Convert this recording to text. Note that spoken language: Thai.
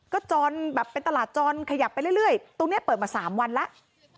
ก็จอนแบบเป็นตลาดจรขยับไปเรื่อยตรงนี้เปิดมา๓วันแล้ว